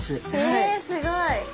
えすごい！